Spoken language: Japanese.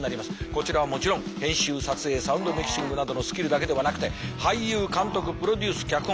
こちらはもちろん編集撮影サウンドミキシングなどのスキルだけではなくて俳優監督プロデュース脚本